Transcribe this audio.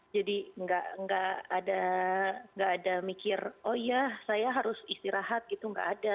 jadi nggak ada mikir oh iya saya harus istirahat gitu nggak ada